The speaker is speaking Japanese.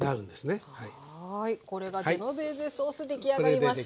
はいこれがジェノベーゼソース出来上がりました！